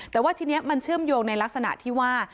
แต่ว่าทีนี้มันเชื่อมโยงในลักษณะที่ว่า